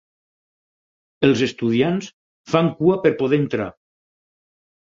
Els estudiants fan cua per poder entrar.